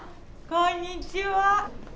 こんにちは。